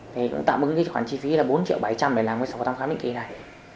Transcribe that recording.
thì cũng tạm ứng khoản chi phí là bốn bảy trăm linh để làm sổ thăm khám định kỳ này